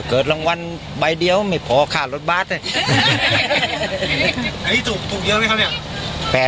ถ้าเกิดรางวัลใบเดียวไม่พอค่าโลสบัดเลย